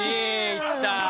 いった！